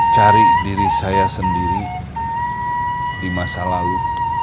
cari diri saya sendiri di masa lalu